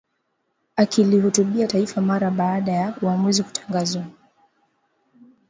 Akilihutubia taifa mara baada ya uamuzi kutangazwa